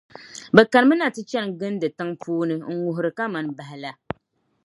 bɛ kanimina ti chani gindi tiŋ’ puuni ŋ-ŋuhiri kaman bahi la.